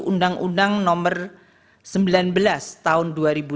undang undang nomor sembilan belas tahun dua ribu dua